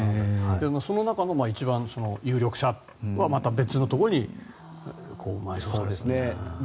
その中の一番の有力者はまた別のところに埋葬されているかもと。